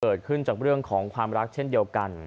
เกิดขึ้นจากเรื่องของความรักเช่นเดียวกัน